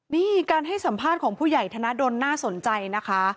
นี่การให้สัมภาษณ์ของผู้ใหญ่ธนดลน่าสนใจนะคะ